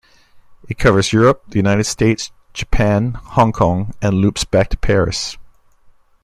It covers Europe, the United States, Japan, Hong Kong, and loops back to Paris.